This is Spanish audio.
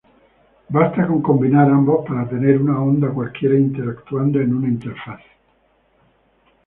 Basta con combinar ambos para tener una onda cualquiera interactuando en una interfaz.